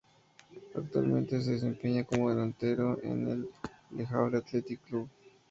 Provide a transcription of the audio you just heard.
Actualmente se desempeña como delantero en el Le Havre Athletic Club.